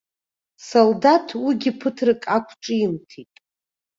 Салдаҭ уигьы ԥыҭрак ақәҿимҭит.